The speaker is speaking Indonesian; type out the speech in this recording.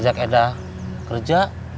sejak edah kerja